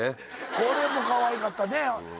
これもかわいかったね。